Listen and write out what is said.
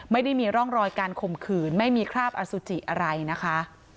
ไม่ได้มีร่องรอยการข่มขืนไม่มีคราบอสุจิอะไรนะคะ